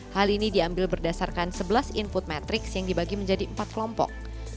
hal ini diambil berdasarkan sebelas input matrix yang dibagi menjadi empat kelompok